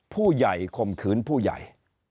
ผู้ใหญ่ข่มขืนผู้ใหญ่